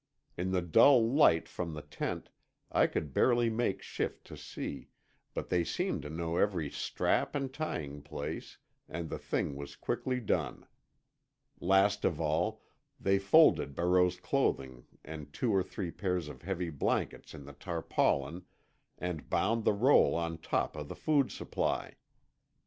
In the dull light from the tent I could barely make shift to see, but they seemed to know every strap and tying place, and the thing was quickly done. Last of all, they folded Barreau's clothing and two or three pairs of heavy blankets in the tarpaulin, and bound the roll on top of the food supply.